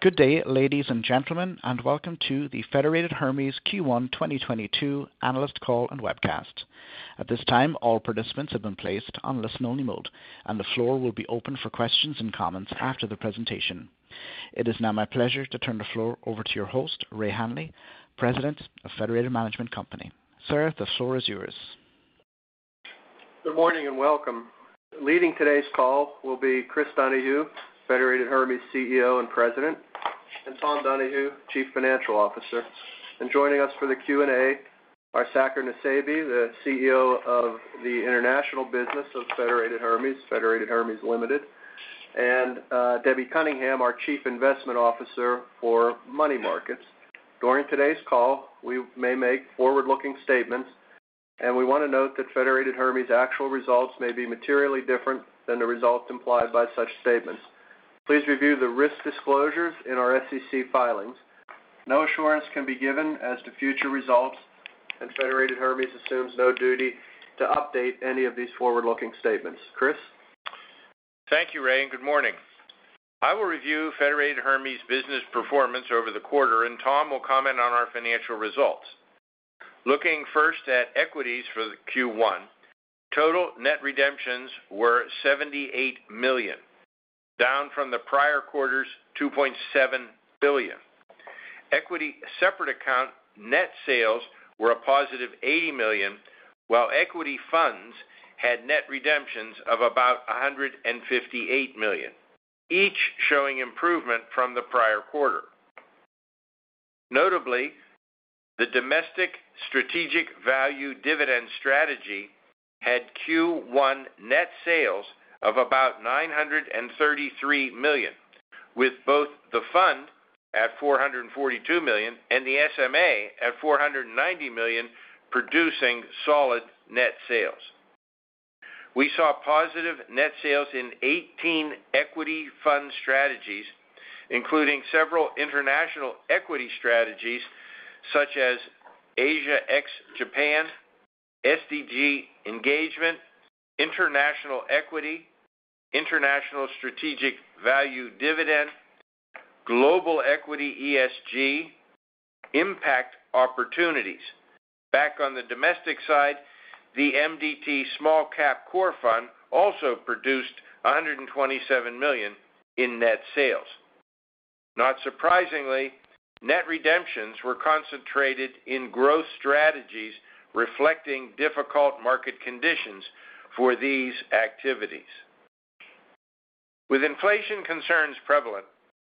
Good day, ladies and gentlemen, and welcome to the Federated Hermes Q1 2022 Analyst Call and Webcast. At this time, all participants have been placed on listen only mode, and the floor will be open for questions and comments after the presentation. It is now my pleasure to turn the floor over to your host, Ray Hanley, President of Federated Management Company. Sir, the floor is yours. Good morning and welcome. Leading today's call will be Chris Donahue, Federated Hermes CEO and President, and Tom Donahue, Chief Financial Officer. Joining us for the Q&A are Saker Nusseibeh, the CEO of the International Business of Federated Hermes, Federated Hermes Limited, and Debbie Cunningham, our Chief Investment Officer for Money Markets. During today's call, we may make forward-looking statements, and we wanna note that Federated Hermes actual results may be materially different than the results implied by such statements. Please review the risk disclosures in our SEC filings. No assurance can be given as to future results, and Federated Hermes assumes no duty to update any of these forward-looking statements. Chris. Thank you, Ray, and good morning. I will review Federated Hermes business performance over the quarter, and Tom will comment on our financial results. Looking first at equities for the Q1, total net redemptions were $78 million, down from the prior quarter's $2.7 billion. Equity separate account net sales were a positive $80 million, while equity funds had net redemptions of about $158 million, each showing improvement from the prior quarter. Notably, the domestic Strategic Value Dividend strategy had Q1 net sales of about $933 million, with both the fund at $442 million and the SMA at $490 million producing solid net sales. We saw positive net sales in 18 equity fund strategies, including several international equity strategies such as Asia ex-Japan, SDG Engagement, International Equity, International Strategic Value Dividend, Global Equity ESG, Impact Opportunities. Back on the domestic side, the MDT Small Cap Core Fund also produced $127 million in net sales. Not surprisingly, net redemptions were concentrated in growth strategies reflecting difficult market conditions for these activities. With inflation concerns prevalent,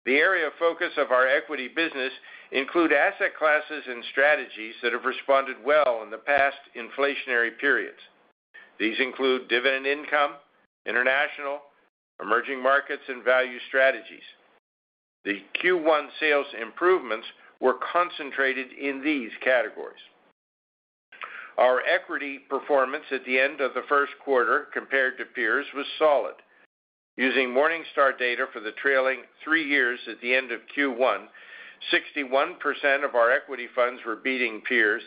the area of focus of our equity business include asset classes and strategies that have responded well in the past inflationary periods. These include dividend income, international, emerging markets, and value strategies. The Q1 sales improvements were concentrated in these categories. Our equity performance at the end of the first quarter compared to peers was solid. Using Morningstar data for the trailing three years at the end of Q1, 61% of our equity funds were beating peers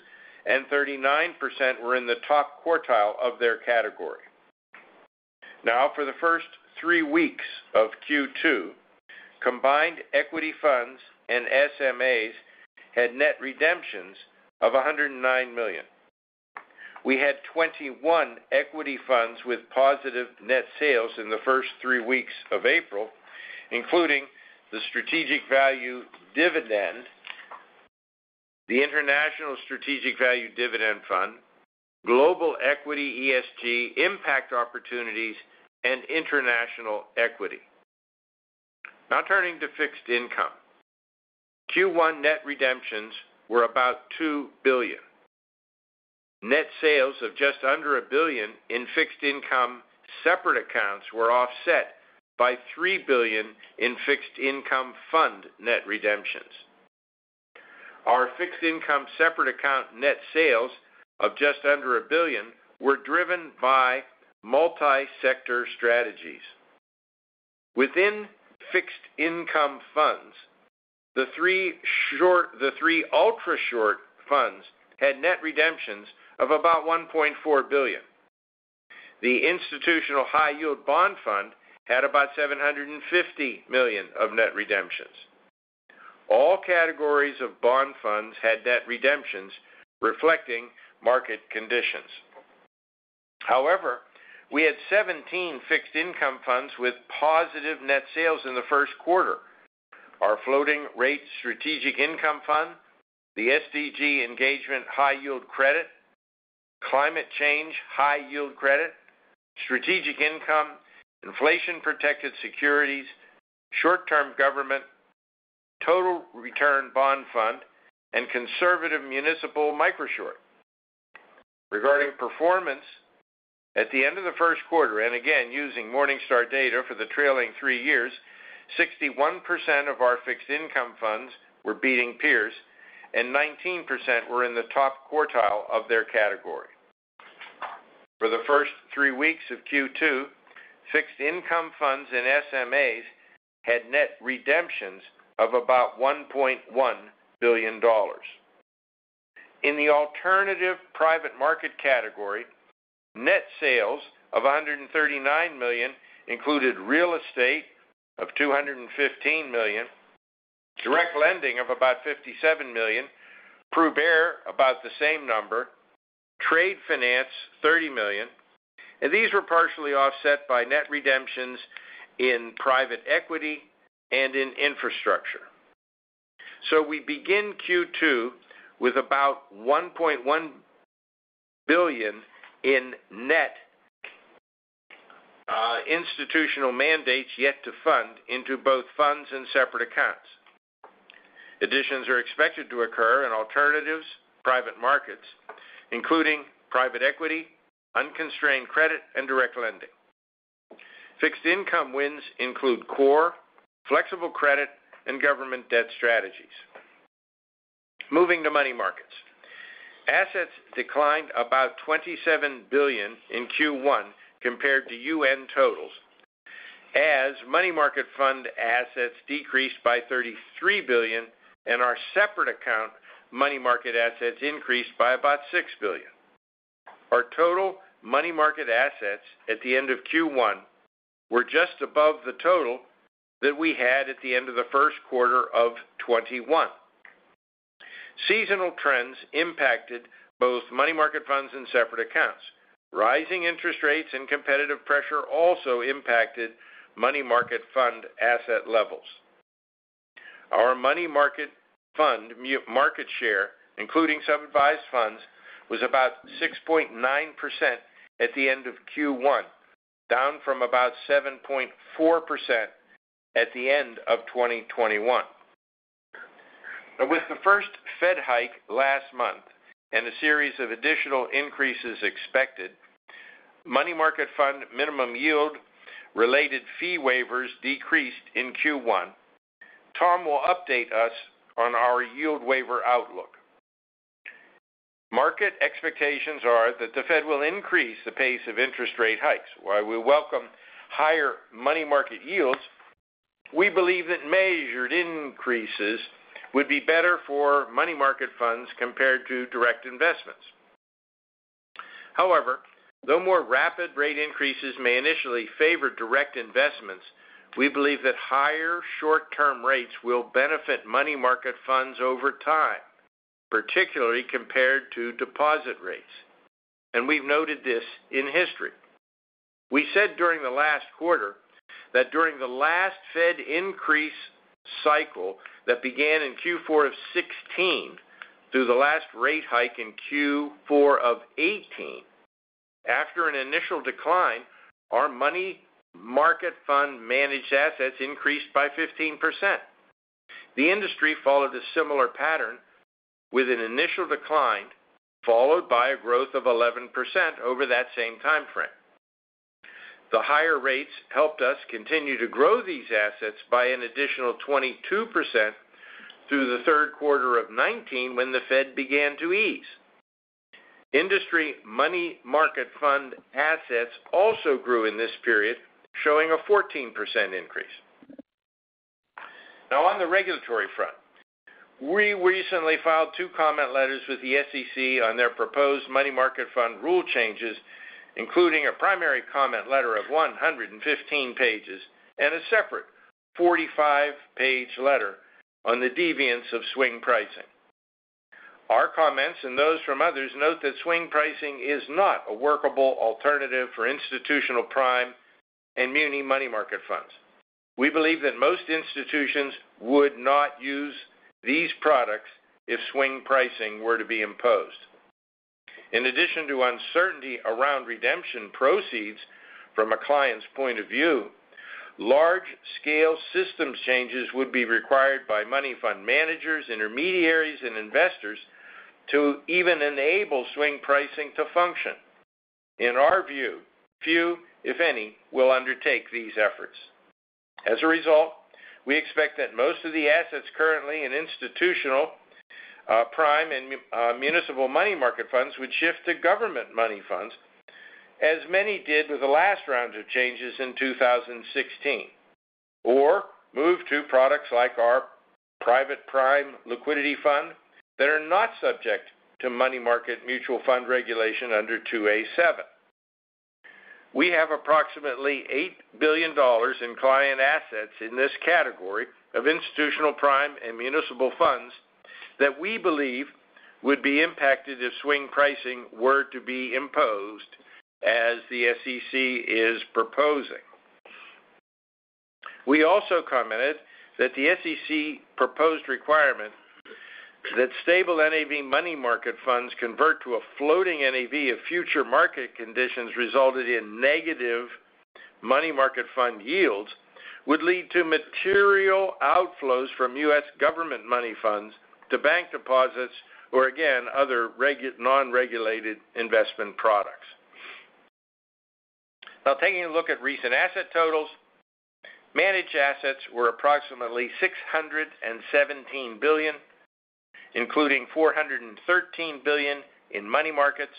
and 39% were in the top quartile of their category. Now, for the first three weeks of Q2, combined equity funds and SMAs had net redemptions of $109 million. We had 21 equity funds with positive net sales in the first three weeks of April, including the Strategic Value Dividend, the International Strategic Value Dividend Fund, Global Equity ESG, Impact Opportunities, and International Equity. Now turning to fixed income. Q1 net redemptions were about $2 billion. Net sales of just under $1 billion in fixed income separate accounts were offset by $3 billion in fixed income fund net redemptions. Our fixed income separate account net sales of just under $1 billion were driven by multi-sector strategies. Within fixed income funds, the three ultra-short funds had net redemptions of about $1.4 billion. The Institutional High Yield Bond Fund had about $750 million of net redemptions. All categories of bond funds had net redemptions reflecting market conditions. However, we had 17 fixed income funds with positive net sales in the first quarter. Our Floating Rate Strategic Income Fund, the SDG Engagement High Yield Credit, Climate Change High Yield Credit, Strategic Income, Inflation Protected Securities, Short-Term Government, Total Return Bond Fund, and Conservative Municipal Microshort. Regarding performance, at the end of the first quarter, and again using Morningstar data for the trailing three years, 61% of our fixed income funds were beating peers and 19% were in the top quartile of their category. For the first three weeks of Q2, fixed income funds and SMAs had net redemptions of about $1.1 billion. In the alternative private market category, net sales of $139 million included real estate of $215 million, direct lending of about $57 million, private infrastructure about the same number, trade finance $30 million, and these were partially offset by net redemptions in private equity and in infrastructure. We begin Q2 with about $1.1 billion in net institutional mandates yet to fund into both funds and separate accounts. Additions are expected to occur in alternatives, private markets, including private equity, unconstrained credit, and direct lending. Fixed income wins include core, flexible credit, and government debt strategies. Moving to money markets. Assets declined about $27 billion in Q1 compared to year-end totals as money market fund assets decreased by $33 billion and our separate account money market assets increased by about $6 billion. Our total money market assets at the end of Q1 were just above the total that we had at the end of the first quarter of 2021. Seasonal trends impacted both money market funds and separate accounts. Rising interest rates and competitive pressure also impacted money market fund asset levels. Our money market fund market share, including some advised funds, was about 6.9% at the end of Q1, down from about 7.4% at the end of 2021. With the first Fed hike last month and a series of additional increases expected, money market fund minimum yield related fee waivers decreased in Q1. Tom will update us on our yield waiver outlook. Market expectations are that the Fed will increase the pace of interest rate hikes, while we welcome higher money market yields, we believe that measured increases would be better for money market funds compared to direct investments. However, though more rapid rate increases may initially favor direct investments, we believe that higher short-term rates will benefit money market funds over time, particularly compared to deposit rates. We've noted this in history. We said during the last quarter that during the last Fed increase cycle that began in Q4 of 2016 through the last rate hike in Q4 of 2018, after an initial decline, our money market fund managed assets increased by 15%. The industry followed a similar pattern with an initial decline, followed by a growth of 11% over that same timeframe. The higher rates helped us continue to grow these assets by an additional 22% through the third quarter of 2019 when the Fed began to ease. Industry money market fund assets also grew in this period, showing a 14% increase. Now on the regulatory front, we recently filed two comment letters with the SEC on their proposed money market fund rule changes, including a primary comment letter of 115 pages and a separate 45-page letter on the deviance of swing pricing. Our comments and those from others note that swing pricing is not a workable alternative for institutional prime and muni money market funds. We believe that most institutions would not use these products if swing pricing were to be imposed. In addition to uncertainty around redemption proceeds from a client's point of view, large-scale systems changes would be required by money fund managers, intermediaries, and investors to even enable swing pricing to function. In our view, few, if any, will undertake these efforts. As a result, we expect that most of the assets currently in institutional prime and municipal money market funds would shift to government money funds, as many did with the last round of changes in 2016, or move to products like our private prime liquidity fund that are not subject to money market mutual fund regulation under Rule 2a-7. We have approximately $8 billion in client assets in this category of institutional prime and municipal funds that we believe would be impacted if swing pricing were to be imposed as the SEC is proposing. We also commented that the SEC proposed requirement that stable NAV money market funds convert to a floating NAV if future market conditions resulted in negative money market fund yields would lead to material outflows from U.S. government money funds to bank deposits or again, other non-regulated investment products. Now taking a look at recent asset totals. Managed assets were approximately $617 billion, including $413 billion in money markets,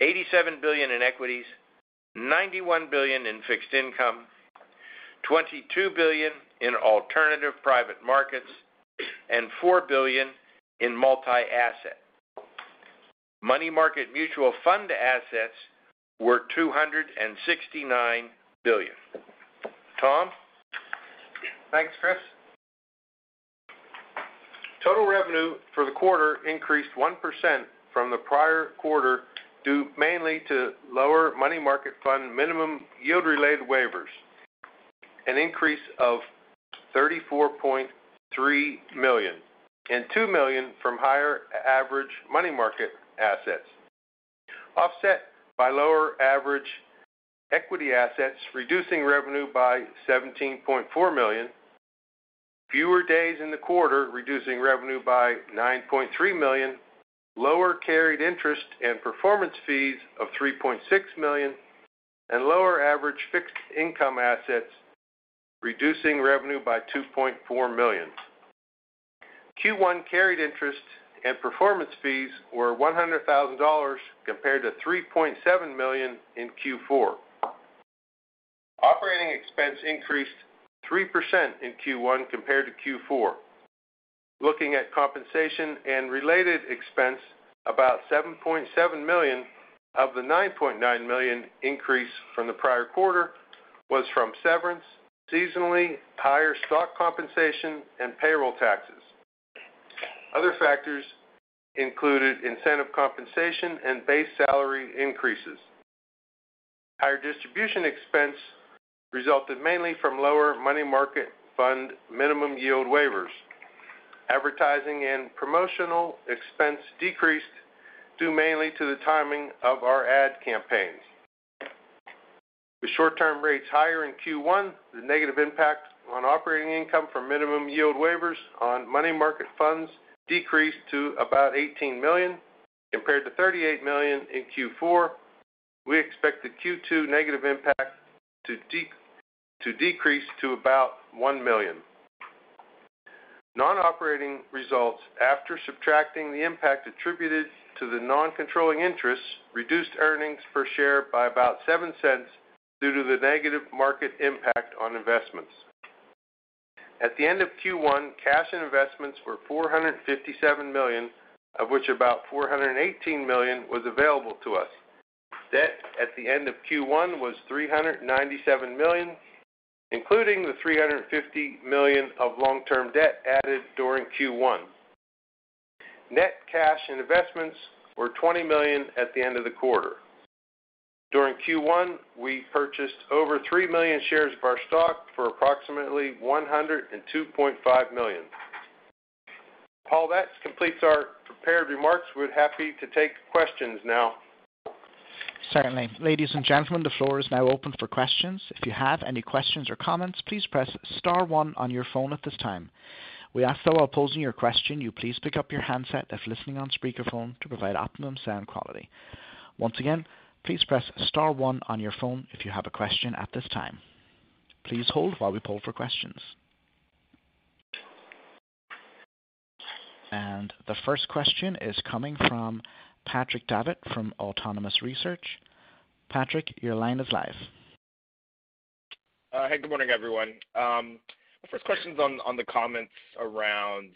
$87 billion in equities, $91 billion in fixed income. $22 billion in alternative private markets and $4 billion in multi-asset. Money market mutual fund assets were $269 billion. Tom? Thanks, Chris. Total revenue for the quarter increased 1% from the prior quarter due mainly to lower money market fund minimum yield related waivers. An increase of $34.3 million and $2 million from higher average money market assets. Offset by lower average equity assets, reducing revenue by $17.4 million. Fewer days in the quarter, reducing revenue by $9.3 million. Lower carried interest and performance fees of $3.6 million. Lower average fixed income assets, reducing revenue by $2.4 million. Q1 carried interest and performance fees were $100,000 compared to $3.7 million in Q4. Operating expense increased 3% in Q1 compared to Q4. Looking at compensation and related expense, about $7.7 million of the $9.9 million increase from the prior quarter was from severance, seasonally higher stock compensation and payroll taxes. Other factors included incentive compensation and base salary increases. Higher distribution expense resulted mainly from lower money market fund minimum yield waivers. Advertising and promotional expense decreased due mainly to the timing of our ad campaigns. With short-term rates higher in Q1, the negative impact on operating income from minimum yield waivers on money market funds decreased to about $18 million compared to $38 million in Q4. We expect the Q2 negative impact to decrease to about $1 million. Non-operating results after subtracting the impact attributed to the non-controlling interests reduced earnings per share by about $0.07 due to the negative market impact on investments. At the end of Q1, cash and investments were $457 million, of which about $418 million was available to us. Debt at the end of Q1 was $397 million, including the $350 million of long-term debt added during Q1. Net cash and investments were $20 million at the end of the quarter. During Q1, we purchased over 3 million shares of our stock for approximately $102.5 million. Paul, that completes our prepared remarks. We're happy to take questions now. Certainly. Ladies and gentlemen, the floor is now open for questions. If you have any questions or comments, please press star one on your phone at this time. We ask though while posing your question, you please pick up your handset if listening on speakerphone to provide optimum sound quality. Once again, please press star one on your phone if you have a question at this time. Please hold while we poll for questions. The first question is coming from Patrick Davitt from Autonomous Research. Patrick, your line is live. Hey, good morning, everyone. The first question's on the comments around,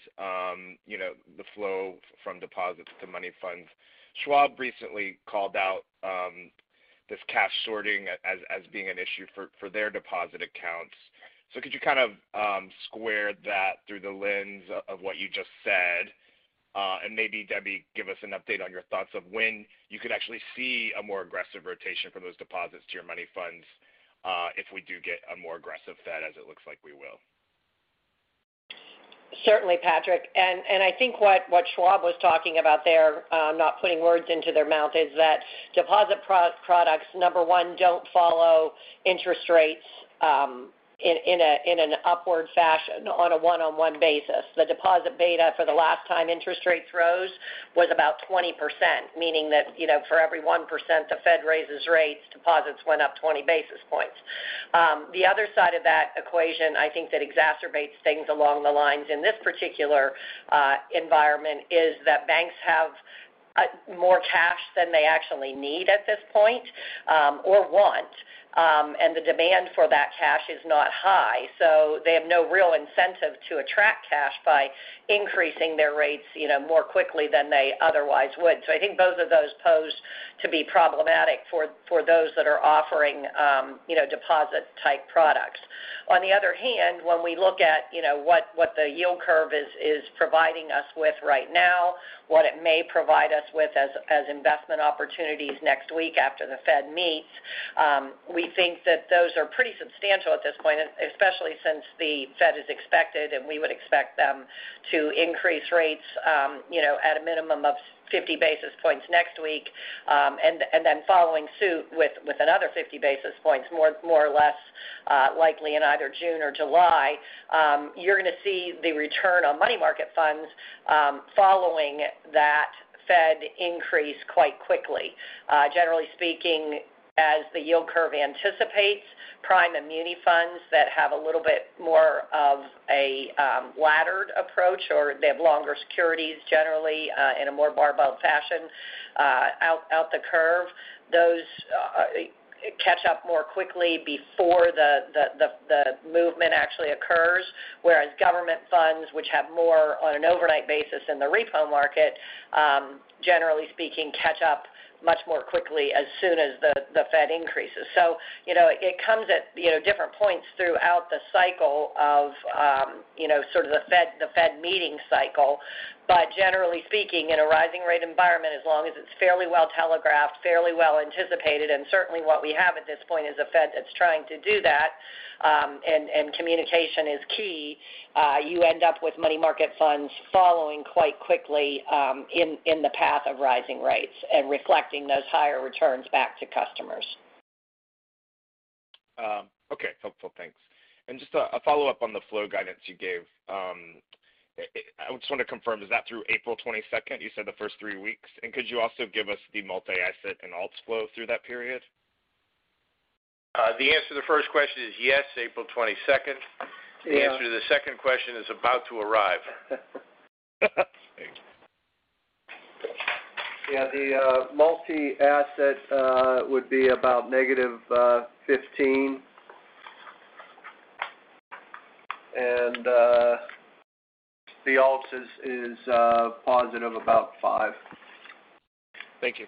you know, the flow from deposits to money funds. Schwab recently called out this cash sorting as being an issue for their deposit accounts. Could you kind of square that through the lens of what you just said? And maybe, Debbie, give us an update on your thoughts of when you could actually see a more aggressive rotation from those deposits to your money funds, if we do get a more aggressive Fed as it looks like we will. Certainly, Patrick. I think what Schwab was talking about there, not putting words into their mouth, is that deposit products, number one, don't follow interest rates in an upward fashion on a one-on-one basis. The deposit beta for the last time interest rates rose was about 20%, meaning that, you know, for every 1% the Fed raises rates, deposits went up 20 basis points. The other side of that equation, I think, that exacerbates things along the lines in this particular environment is that banks have more cash than they actually need at this point or want. The demand for that cash is not high. They have no real incentive to attract cash by increasing their rates, you know, more quickly than they otherwise would. I think both of those pose to be problematic for those that are offering, you know, deposit-type products. On the other hand, when we look at, you know, what the yield curve is providing us with right now, what it may provide us with as investment opportunities next week after the Fed meets, we think that those are pretty substantial at this point, especially since the Fed is expected, and we would expect them to increase rates, you know, at a minimum of 50 basis points next week. Then following suit with another 50 basis points more or less, likely in either June or July. You're gonna see the return on money market funds following that Fed increase quite quickly. Generally speaking, as the yield curve anticipates, prime and muni funds that have a little bit more of a laddered approach or they have longer securities generally in a more barbell fashion out the curve, those catch up more quickly before the movement actually occurs, whereas government funds, which have more on an overnight basis in the repo market, generally speaking, catch up much more quickly as soon as the Fed increases. You know, it comes at you know different points throughout the cycle of you know sort of the Fed meeting cycle. Generally speaking, in a rising rate environment, as long as it's fairly well telegraphed, fairly well anticipated, and certainly what we have at this point is a Fed that's trying to do that, and communication is key, you end up with money market funds following quite quickly, in the path of rising rates and reflecting those higher returns back to customers. Okay. Helpful. Thanks. Just a follow-up on the flow guidance you gave. I just want to confirm, is that through April 22nd? You said the first three weeks. Could you also give us the multi-asset and alts flow through that period? The answer to the first question is yes, April 22nd. Yeah. The answer to the second question is about to arrive. Thanks. Yeah, the multi-asset would be about -15%. The alts is positive about 5%. Thank you.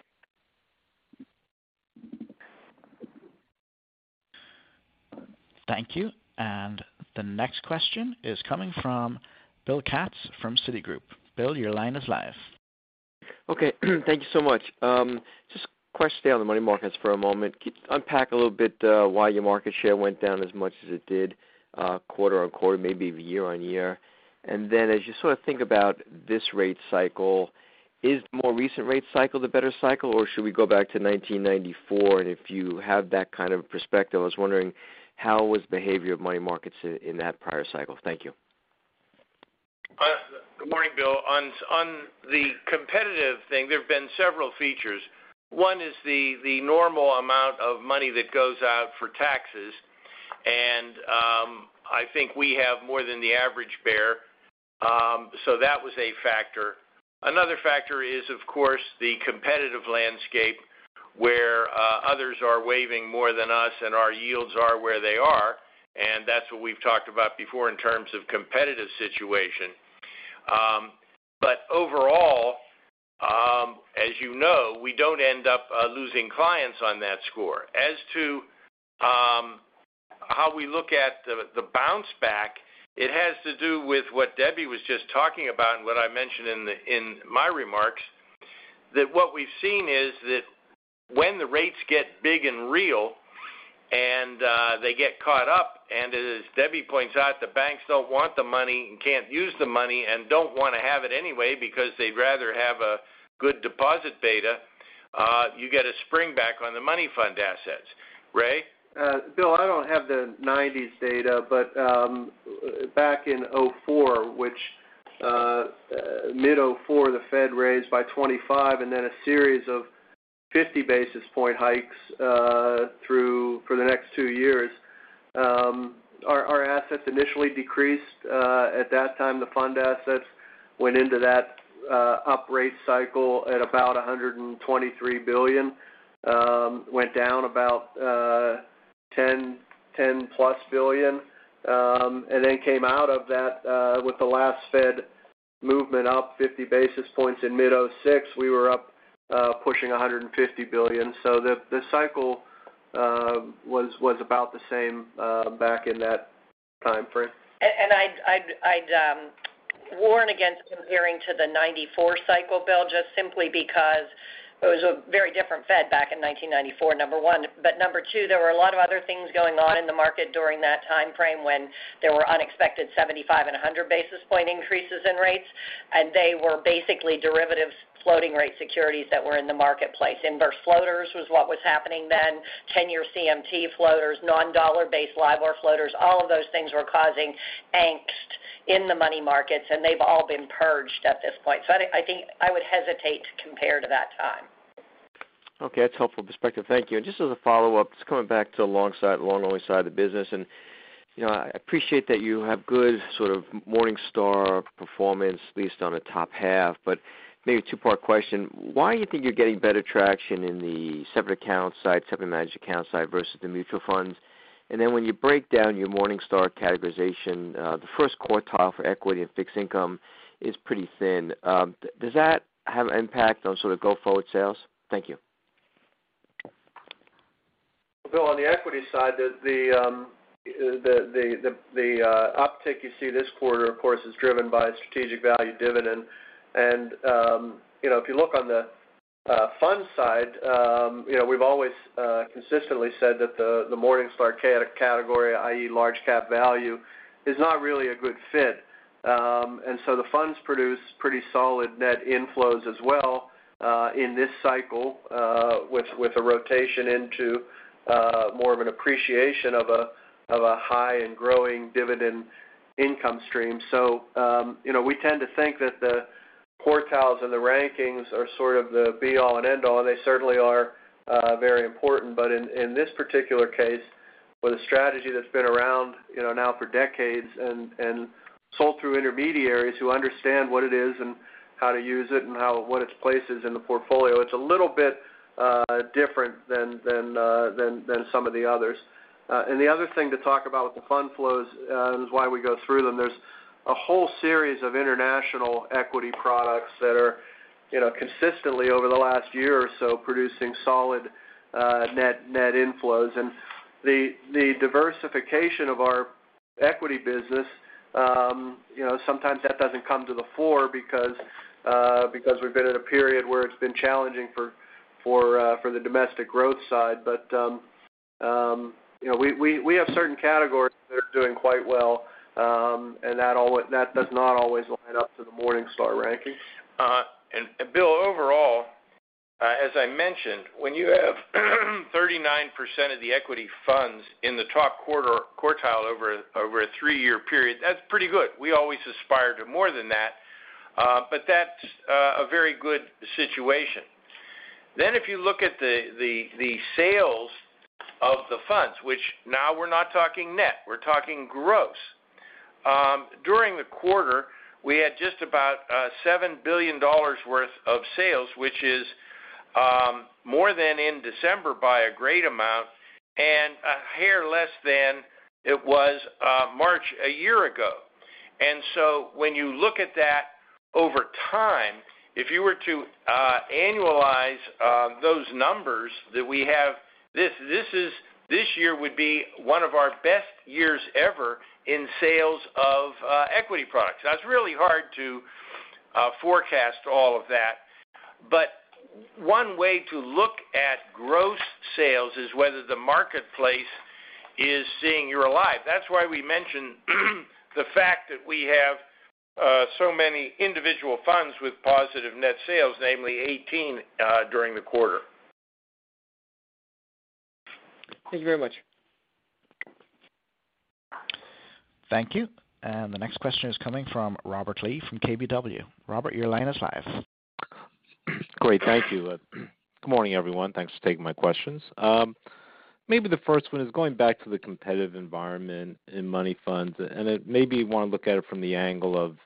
Thank you. The next question is coming from Bill Katz from Citigroup. Bill, your line is live. Okay. Thank you so much. Just a question on the money markets for a moment. Could you unpack a little bit why your market share went down as much as it did quarter-over-quarter, maybe year-over-year? Then as you sort of think about this rate cycle, is the more recent rate cycle the better cycle, or should we go back to 1994? If you have that kind of perspective, I was wondering how was behavior of money markets in that prior cycle. Thank you. Good morning, Bill. On the competitive thing, there have been several features. One is the normal amount of money that goes out for taxes, and I think we have more than the average bear. That was a factor. Another factor is, of course, the competitive landscape where others are waiving more than us and our yields are where they are, and that's what we've talked about before in terms of competitive situation. Overall, as you know, we don't end up losing clients on that score. As to how we look at the bounce back, it has to do with what Debbie was just talking about and what I mentioned in my remarks, that what we've seen is that when the rates get big and real and they get caught up, and as Debbie points out, the banks don't want the money and can't use the money and don't wanna have it anyway because they'd rather have a good deposit beta, you get a spring back on the money fund assets. Ray? Bill, I don't have the 90s data, but back in 2004, which mid-2004, the Fed raised by 25, and then a series of 50 basis point hikes through for the next two years. Our assets initially decreased. At that time, the fund assets went into that uprate cycle at about $123 billion. Went down about $10+ billion, and then came out of that with the last Fed movement up 50 basis points in mid-2006. We were up pushing $150 billion. The cycle was about the same back in that timeframe. I'd warn against comparing to the 1994 cycle, Bill, just simply because it was a very different Fed back in 1994, number one. Number two, there were a lot of other things going on in the market during that timeframe when there were unexpected 75- and 100-basis-point increases in rates, and they were basically derivatives floating rate securities that were in the marketplace. Inverse floaters was what was happening then, 10-year CMT floaters, non-dollar-based LIBOR floaters, all of those things were causing angst in the money markets, and they've all been purged at this point. I think I would hesitate to compare to that time. Okay. That's helpful perspective. Thank you. Just as a follow-up, just coming back to the long side, long only side of the business. You know, I appreciate that you have good sort of Morningstar performance, at least on the top half. Maybe a two-part question. Why you think you're getting better traction in the separate account side, separate managed account side versus the mutual funds? Then when you break down your Morningstar categorization, the first quartile for equity and fixed income is pretty thin. Does that have an impact on sort of go forward sales? Thank you. Bill, on the equity side, the uptick you see this quarter, of course, is driven by Strategic Value Dividend. If you look on the fund side, you know, we've always consistently said that the Morningstar category, i.e., large-cap value, is not really a good fit. The funds produce pretty solid net inflows as well, in this cycle, with a rotation into more of an appreciation of a high and growing dividend income stream. You know, we tend to think that the quartiles and the rankings are sort of the be all and end all. They certainly are very important. In this particular case, with a strategy that's been around, you know, now for decades and sold through intermediaries who understand what it is and how to use it and what its place is in the portfolio, it's a little bit different than some of the others. The other thing to talk about with the fund flows is why we go through them. There's a whole series of international equity products that are, you know, consistently over the last year or so producing solid net inflows. The diversification of our equity business, you know, sometimes that doesn't come to the fore because we've been in a period where it's been challenging for the domestic growth side. You know, we have certain categories that are doing quite well, and that does not always line up to the Morningstar ranking. Bill, overall, as I mentioned, when you have 39% of the equity funds in the top quartile over a three-year period, that's pretty good. We always aspire to more than that, but that's a very good situation. Then if you look at the sales of the funds, which now we're not talking net, we're talking gross. During the quarter, we had just about $7 billion worth of sales, which is more than in December by a great amount and a hair less than it was March a year ago. When you look at that over time, if you were to annualize those numbers that we have, this year would be one of our best years ever in sales of equity products. Now it's really hard to forecast all of that, but one way to look at gross sales is whether the marketplace is seeing you're alive. That's why we mentioned the fact that we have so many individual funds with positive net sales, namely 18 during the quarter. Thank you very much. Thank you. The next question is coming from Robert Lee from KBW. Robert, your line is live. Great. Thank you. Good morning, everyone. Thanks for taking my questions. Maybe the first one is going back to the competitive environment in money funds, and it maybe you wanna look at it from the angle of,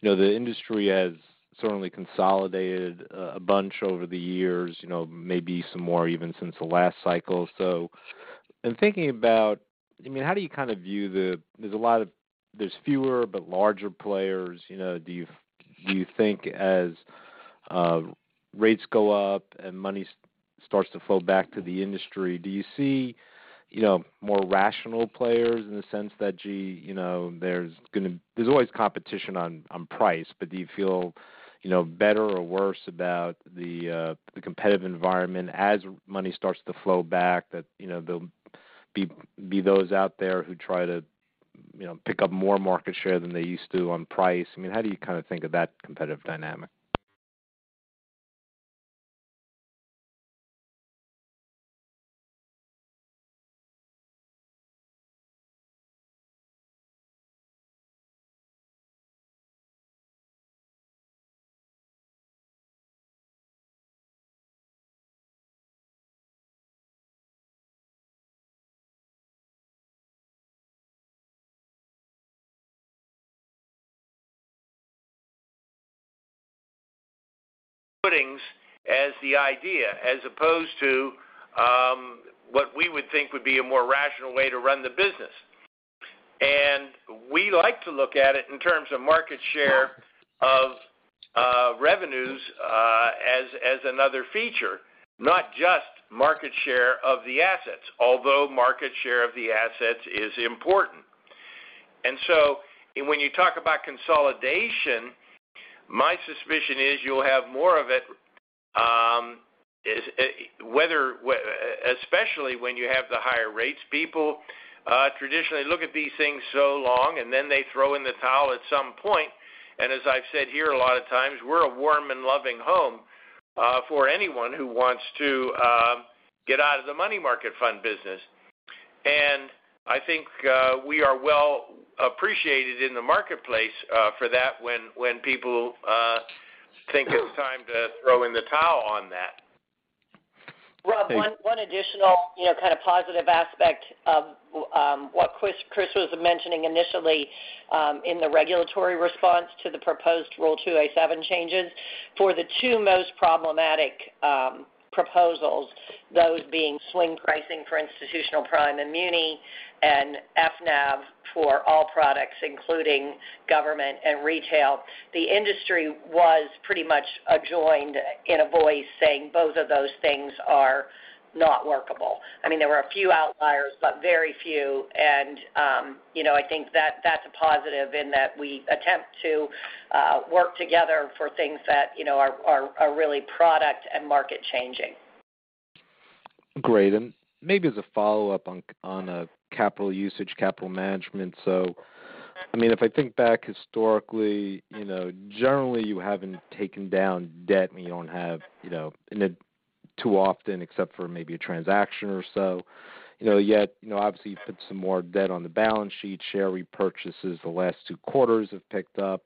you know, the industry has certainly consolidated a bunch over the years, you know, maybe some more even since the last cycle. In thinking about... I mean, how do you kind of view there's fewer but larger players, you know, do you think as rates go up and money starts to flow back to the industry, do you see, you know, more rational players in the sense that, gee, you know, there's always competition on price, but do you feel, you know, better or worse about the competitive environment as money starts to flow back that, you know, there'll be those out there who try to, you know, pick up more market share than they used to on price? I mean, how do you kind of think of that competitive dynamic? Putting as the idea, as opposed to what we would think would be a more rational way to run the business. We like to look at it in terms of market share of revenues, as another feature, not just market share of the assets, although market share of the assets is important. When you talk about consolidation, my suspicion is you'll have more of it especially when you have the higher rates. People traditionally look at these things so long, and then they throw in the towel at some point. As I've said here a lot of times, we're a warm and loving home for anyone who wants to get out of the money market fund business. I think we are well appreciated in the marketplace for that when people think it's time to throw in the towel on that. Rob, one additional, you know, kind of positive aspect of what Chris was mentioning initially in the regulatory response to the proposed Rule 2a-7 changes. For the two most problematic proposals, those being swing pricing for institutional prime and muni and FNAV for all products, including government and retail, the industry was pretty much joined in one voice saying both of those things are not workable. I mean, there were a few outliers, but very few. You know, I think that's a positive in that we attempt to work together for things that, you know, are really product and market changing. Great. Maybe as a follow-up on capital usage, capital management. I mean, if I think back historically, you know, generally you haven't taken down debt and you don't have too often except for maybe a transaction or so. You know, yet, you know, obviously you put some more debt on the balance sheet, share repurchases the last two quarters have picked up.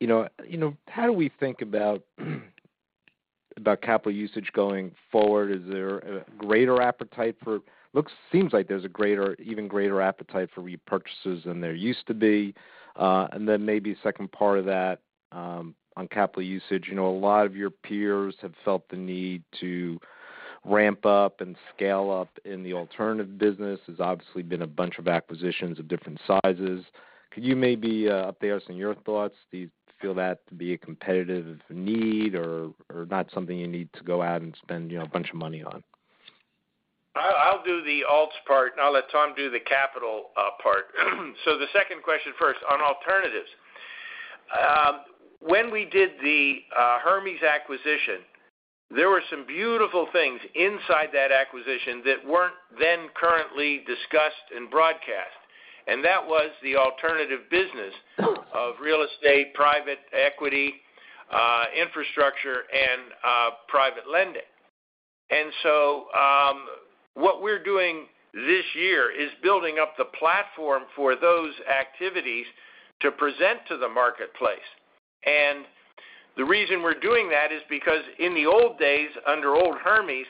You know, how do we think about capital usage going forward? Is there a greater appetite for repurchases. It seems like there's a greater, even greater appetite for repurchases than there used to be. Then maybe second part of that, on capital usage. You know, a lot of your peers have felt the need to ramp up and scale up in the alternative business. There's obviously been a bunch of acquisitions of different sizes. Could you maybe update us on your thoughts? Do you feel that to be a competitive need or not something you need to go out and spend, you know, a bunch of money on? I'll do the alts part and I'll let Tom do the capital part. The second question first on alternatives. When we did the Hermes acquisition, there were some beautiful things inside that acquisition that weren't then currently discussed and broadcast. That was the alternative business of real estate, private equity, infrastructure and private lending. What we're doing this year is building up the platform for those activities to present to the marketplace. The reason we're doing that is because in the old days, under old Hermes,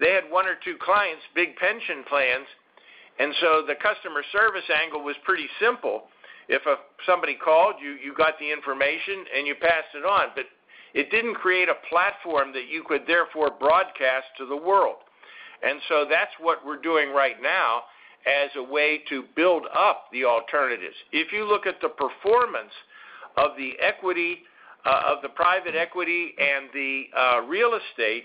they had one or two clients, big pension plans. The customer service angle was pretty simple. If somebody called you got the information, and you pass it on. It didn't create a platform that you could therefore broadcast to the world. That's what we're doing right now as a way to build up the alternatives. If you look at the performance of the equity, of the private equity and the real estate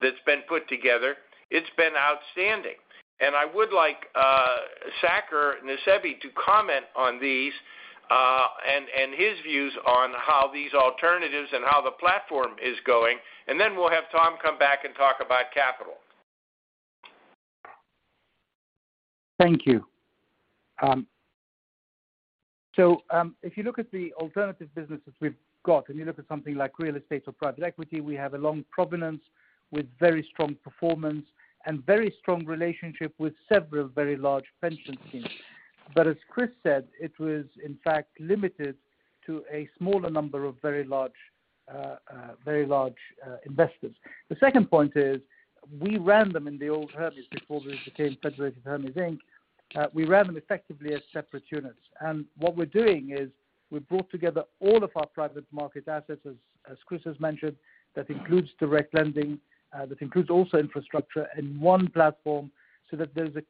that's been put together, it's been outstanding. I would like Saker Nusseibeh to comment on these and his views on how these alternatives and how the platform is going. Then we'll have Tom come back and talk about capital. Thank you. So, if you look at the alternative businesses we've got, and you look at something like real estate or private equity, we have a long provenance with very strong performance and very strong relationship with several very large pension teams. As Chris said, it was in fact limited to a smaller number of very large investors. The second point is we ran them in the old Hermes before we became Federated Hermes, Inc. We ran them effectively as separate units. What we're doing is we've brought together all of our private market assets, as Chris has mentioned, that includes direct lending, that includes also infrastructure in one platform so that there's a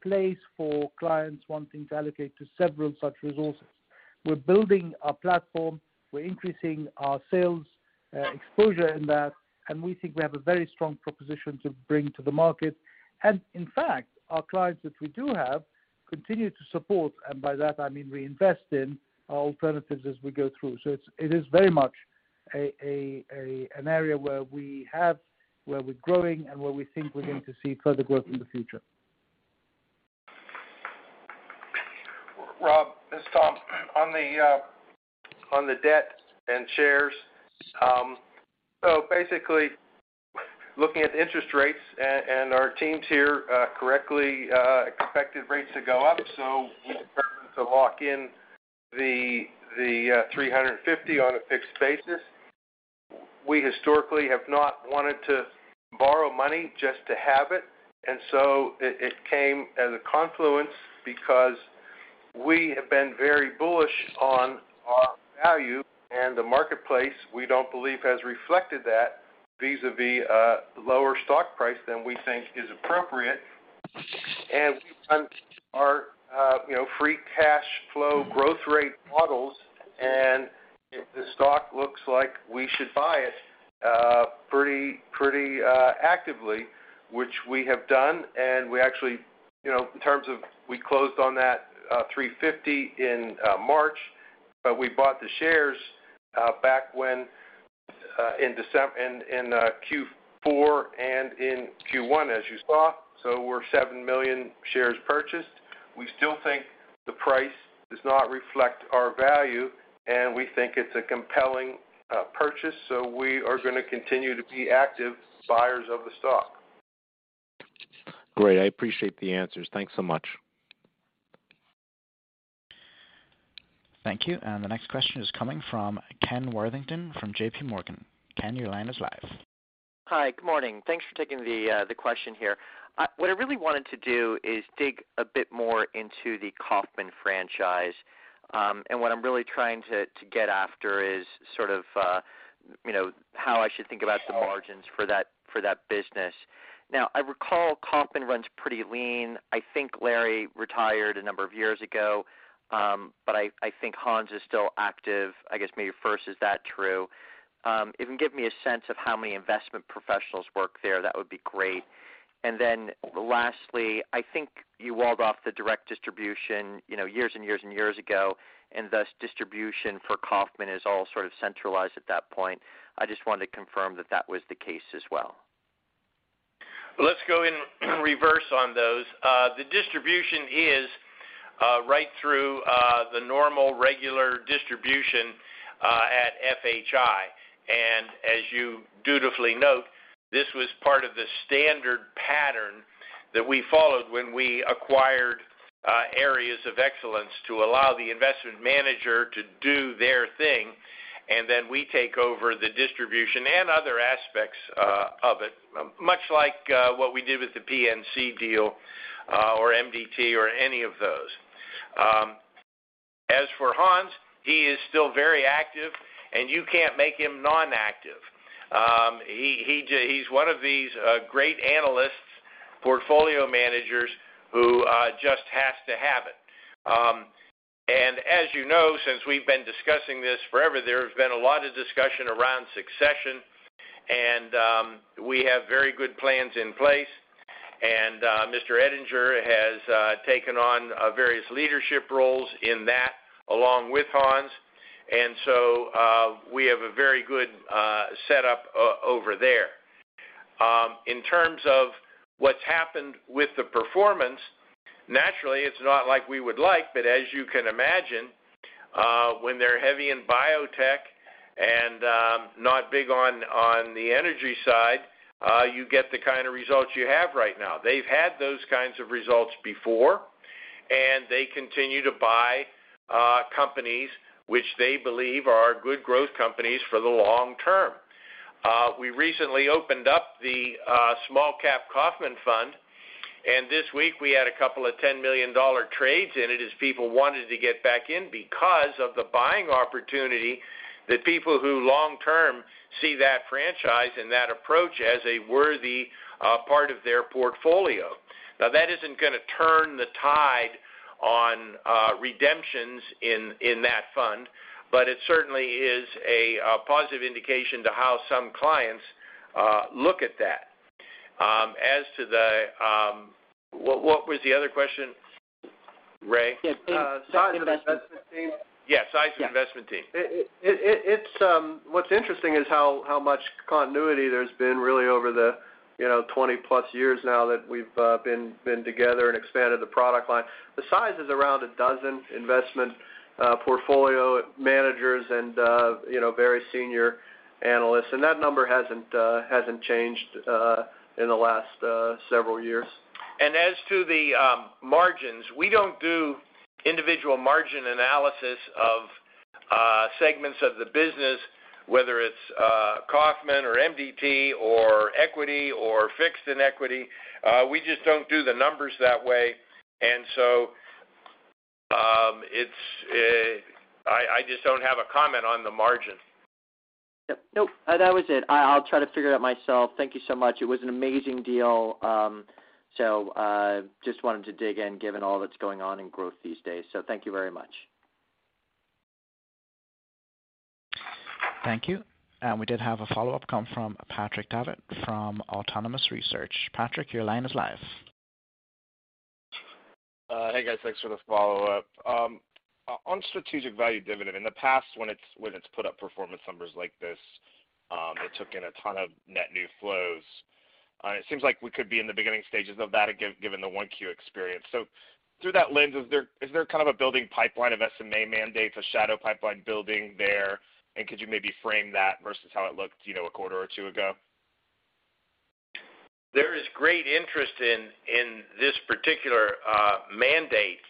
place for clients wanting to allocate to several such resources. We're building our platform, we're increasing our sales exposure in that, and we think we have a very strong proposition to bring to the market. In fact, our clients that we do have continue to support, and by that I mean we invest in our alternatives as we go through. It's, it is very much an area where we have, where we're growing and where we think we're going to see further growth in the future. Rob, it's Tom. On the debt and shares. Basically looking at interest rates and our teams here correctly expected rates to go up. We started to lock in the 350 on a fixed basis. We historically have not wanted to borrow money just to have it. It came as a confluence because we have been very bullish on our value. The marketplace we don't believe has reflected that vis-à-vis lower stock price than we think is appropriate. We run our, you know, free cash flow growth rate models, and if the stock looks like we should buy it pretty actively, which we have done, and we actually, you know, in terms of, we closed on that $35 in March, but we bought the shares back when in Q4 and in Q1 as you saw. We've purchased 7 million shares. We still think the price does not reflect our value, and we think it's a compelling purchase. We are gonna continue to be active buyers of the stock. Great. I appreciate the answers. Thanks so much. Thank you. The next question is coming from Ken Worthington from JPMorgan. Ken, your line is live. Hi. Good morning. Thanks for taking the question here. What I really wanted to do is dig a bit more into the Kaufmann franchise. What I'm really trying to get after is sort of you know how I should think about the margins for that business. Now, I recall Kaufmann runs pretty lean. I think Larry retired a number of years ago. I think Hans is still active. I guess maybe first, is that true? If you can give me a sense of how many investment professionals work there, that would be great. Then lastly, I think you walled off the direct distribution you know years and years and years ago, and thus distribution for Kaufmann is all sort of centralized at that point. I just wanted to confirm that was the case as well. Let's go in reverse on those. The distribution is right through the normal regular distribution at FHI. As you dutifully note, this was part of the standard pattern that we followed when we acquired areas of excellence to allow the investment manager to do their thing, and then we take over the distribution and other aspects of it, much like what we did with the PNC deal or MDT or any of those. As for Hans, he is still very active, and you can't make him non-active. He's one of these great analysts, portfolio managers who just has to have it. As you know, since we've been discussing this forever, there has been a lot of discussion around succession and we have very good plans in place. Mr. Ettinger has taken on various leadership roles in that along with Hans. We have a very good setup over there. In terms of what's happened with the performance, naturally, it's not like we would like, but as you can imagine, when they're heavy in biotech and not big on the energy side, you get the kind of results you have right now. They've had those kinds of results before, and they continue to buy companies which they believe are good growth companies for the long term. We recently opened up the Kaufmann Small Cap Fund, and this week we had a couple of $10 million trades in it as people wanted to get back in because of the buying opportunity that people who long-term see that franchise and that approach as a worthy part of their portfolio. Now, that isn't gonna turn the tide on redemptions in that fund, but it certainly is a positive indication to how some clients look at that. What was the other question, Ray? Yeah. Size of investment team. Yeah, size of investment team. It's what's interesting is how much continuity there's been really over the, you know, 20+ years now that we've been together and expanded the product line. The size is around 12 investment portfolio managers and, you know, very senior analysts, and that number hasn't changed in the last several years. As to the margins, we don't do individual margin analysis of segments of the business, whether it's Kaufmann or MDT or equity or fixed income. We just don't do the numbers that way. It's. I just don't have a comment on the margin. Yep. Nope. That was it. I'll try to figure it out myself. Thank you so much. It was an amazing deal. Just wanted to dig in given all that's going on in growth these days. Thank you very much. Thank you. We did have a follow-up come from Patrick Davitt from Autonomous Research. Patrick, your line is live. Hey, guys. Thanks for the follow-up. On Strategic Value Dividend, in the past, when it's put up performance numbers like this, it took in a ton of net new flows. It seems like we could be in the beginning stages of that given the 1Q experience. So through that lens, is there kind of a building pipeline of SMA mandates, a shadow pipeline building there? Could you maybe frame that versus how it looked, you know, a quarter or two ago? There is great interest in this particular mandate,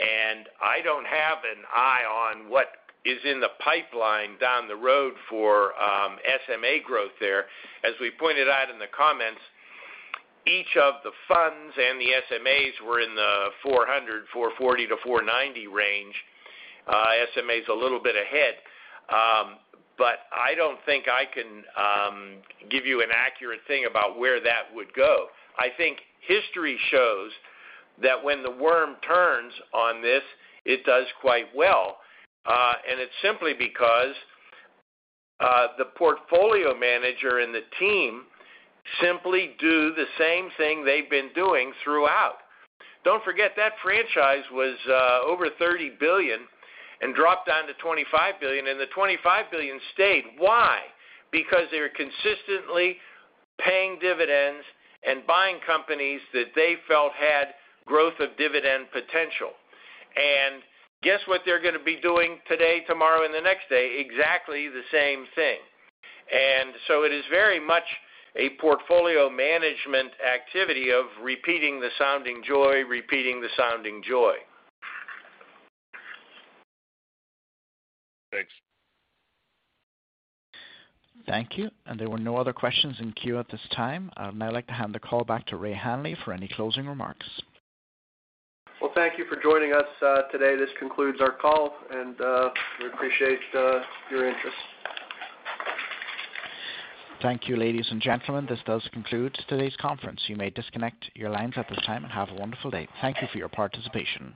and I don't have an idea on what is in the pipeline down the road for SMA growth there. As we pointed out in the comments, each of the funds and the SMAs were in the $400, $440 to $490 range. SMA is a little bit ahead. I don't think I can give you an accurate thing about where that would go. I think history shows that when the worm turns on this, it does quite well. It's simply because the portfolio manager and the team simply do the same thing they've been doing throughout. Don't forget, that franchise was over $30 billion and dropped down to $25 billion, and the $25 billion stayed. Why? Because they were consistently paying dividends and buying companies that they felt had growth of dividend potential. Guess what they're gonna be doing today, tomorrow, and the next day? Exactly the same thing. It is very much a portfolio management activity of repeating the sounding joy. Thanks. Thank you. There were no other questions in queue at this time. I would now like to hand the call back to Ray Hanley for any closing remarks. Well, thank you for joining us today. This concludes our call, and we appreciate your interest. Thank you, ladies and gentlemen. This does conclude today's conference. You may disconnect your lines at this time. Have a wonderful day. Thank you for your participation.